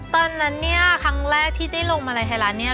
ตอนนั้นเนี่ยครั้งแรกที่ได้ลงมาในไทยรัฐเนี่ย